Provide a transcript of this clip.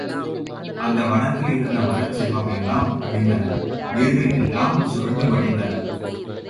அந்த வனத்தில் இருந்த மரச்செல்வம் எல்லாம் அழிந்தன உயிர்கள் எல்லாம் சுருண்டு மடிந்தன.